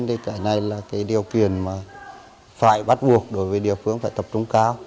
thì cái này là cái điều kiện mà phải bắt buộc đối với địa phương phải tập trung cao